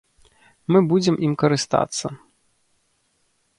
Мы будзем ім карыстацца.